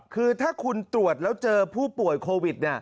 คือถ้าคุณตรวจแล้วเจอผู้ป่วยโควิด